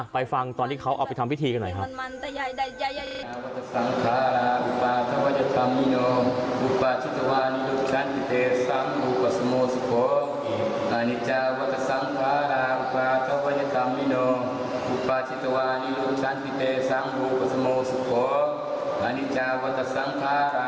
ฟังตอนที่เขาเอาไปทำพิธีกันหน่อยครับ